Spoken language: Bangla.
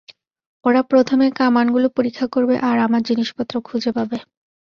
ওরা প্রথমে কামানগুলো পরীক্ষা করবে আর আমার জিনিসপত্র খুঁজে পাবে।